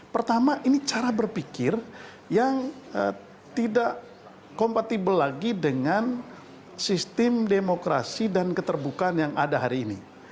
pertama ini cara berpikir yang tidak kompatibel lagi dengan sistem demokrasi dan keterbukaan yang ada hari ini